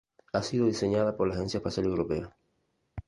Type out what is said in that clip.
Ha sido diseñada por la Agencia Espacial Europea.